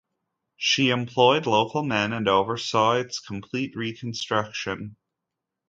She employed local men and oversaw its complete reconstruction.